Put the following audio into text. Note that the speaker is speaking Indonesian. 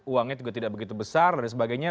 uangnya juga tidak begitu besar dan sebagainya